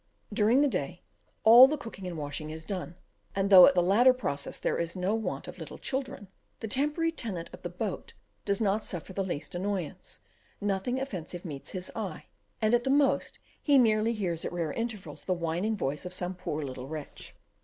During the day all the cookery and washing is done, and though at the latter process there is no want of little children, the temporary tenant of the boat does not suffer the least annoyance; nothing offensive meets his eye; and, at the most, he merely hears at rare intervals the whining voice of some poor little wretch.